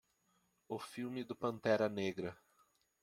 O filme do Pantera Negra.